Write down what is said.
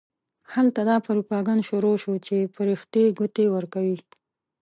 هلته دا پروپاګند شروع شو چې فرښتې ګوتې ورکوي.